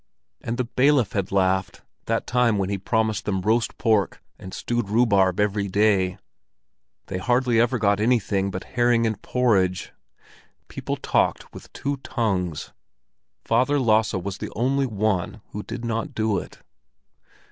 And the bailiff had laughed that time when he promised them roast pork and stewed rhubarb every day. They hardly ever got anything but herring and porridge. People talked with two tongues; Father Lasse was the only one who did not do it.